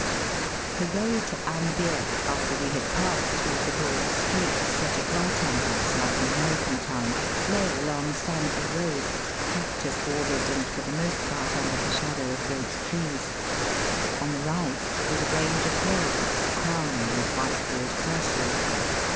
The way to Amber, after we had passed through the broad streets set at right Digitized by VjOOQIC AN ELEPHANT RIDE. 315 angles like an American town, lay along sandy roads, cactus bordered and for the most part nnder the shadow of great trees. On the right was a range of hills crowned with white walled castles.